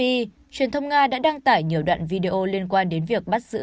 khi truyền thông nga đã đăng tải nhiều đoạn video liên quan đến việc bắt giữ